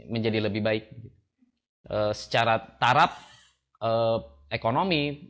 menjadi lebih baik secara tarap ekonomi